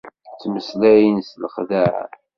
Ttmeslayen s lexdaɛ.